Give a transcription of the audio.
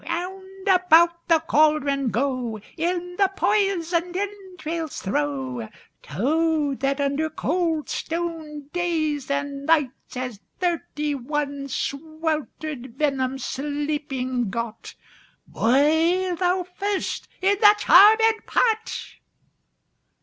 FIRST WITCH. Round about the cauldron go; In the poison'd entrails throw.— Toad, that under cold stone Days and nights has thirty one Swelter'd venom sleeping got, Boil thou first i' th' charmed pot!